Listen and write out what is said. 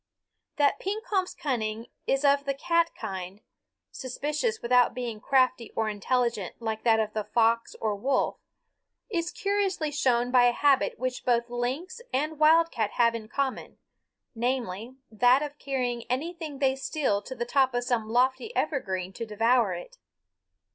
That Pekompf's cunning is of the cat kind, suspicious without being crafty or intelligent like that of the fox or wolf, is curiously shown by a habit which both lynx and wildcat have in common, namely, that of carrying anything they steal to the top of some lofty evergreen to devour it.